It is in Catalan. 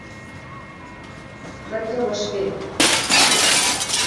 Per què ho vas fer?